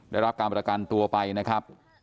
ได้รับการบัตรการตัวไปนะครับ